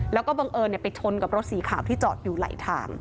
แล้วก็บังเอิญไปชนกับรถสีขาวที่จอดอยู่ไหลทาง